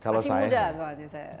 masih muda soalnya saya